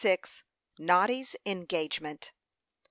NODDY'S ENGAGEMENT.